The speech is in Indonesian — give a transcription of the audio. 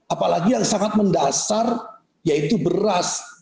apalagi yang sangat mendasar yaitu beras